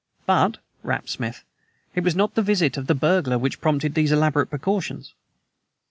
"But," rapped Smith, "it was not the visit of the burglar which prompted these elaborate precautions."